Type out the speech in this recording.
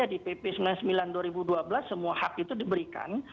di pp sembilan puluh sembilan dua ribu dua belas semua hak itu diberikan